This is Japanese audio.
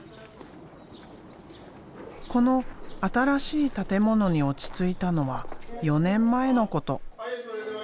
この新しい建物に落ち着いたのは４年前のこと。